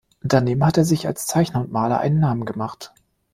Daneben hat er sich als Zeichner und Maler einen Namen gemacht.